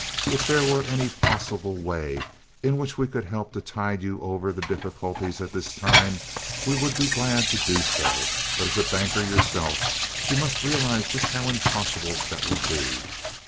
If there were any possible way in which we could help to tide you over the difficulties at this time, we would be glad to do so, but as a banker yourself you must realize just how impossible that would be.